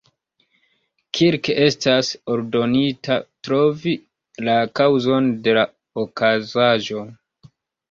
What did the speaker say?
Kirk estas ordonita trovi la kaŭzon de la okazaĵo.